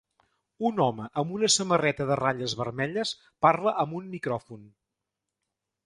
Un home amb una samarreta de ratlles vermelles parla amb un micròfon.